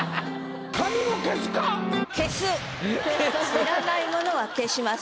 要らないものは消します。